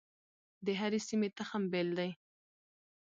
د هرې سیمې تخم بیل دی.